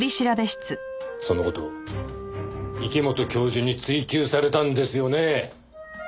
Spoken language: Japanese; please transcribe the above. その事を池本教授に追及されたんですよね？